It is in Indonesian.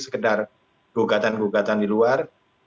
sekedar gugatan gugatan di luar